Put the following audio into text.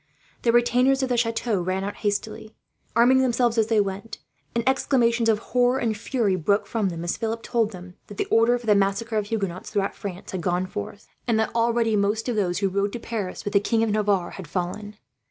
The retainers of the chateau ran hastily out, arming themselves as they went; and exclamations of horror and fury broke from them, as Philip told them that the order for the massacre of the Huguenots, throughout France, had gone forth; and that already, most of those who rode to Paris with the King of Navarre had fallen.